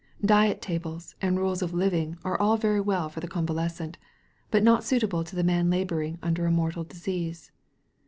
Diet tables and rules of living are all very well for the convalescent, but not suitable to the man laboring under a mortal disease.